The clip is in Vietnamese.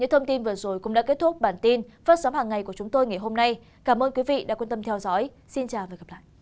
hãy đăng ký kênh để ủng hộ kênh mình nhé